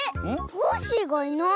コッシーがいない。